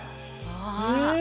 うん！